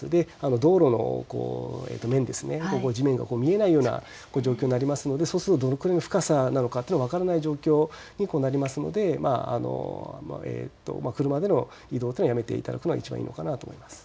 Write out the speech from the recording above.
道路の面、地面が見えないような状況になりますのでそうするとどれくらいの深さなのかというのが分からない状況になりますので車での移動というのはやめていただくのがいちばんいいかなと思います。